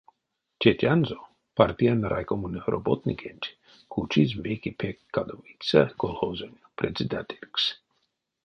Тетянзо, партиянь райкомонь роботникенть, кучизь вейке пек кадовиця колхозонь председателькс.